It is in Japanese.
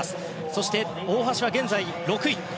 そして、大橋は現在６位。